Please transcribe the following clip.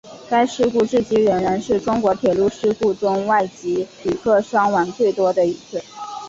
该事故至今仍然是中国铁路事故中外籍旅客伤亡最多的一次。